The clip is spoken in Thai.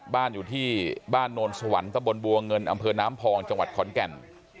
อยู่ที่บ้านโนนสวรรค์ตะบนบัวเงินอำเภอน้ำพองจังหวัดขอนแก่น